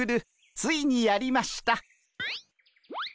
ついにやりました。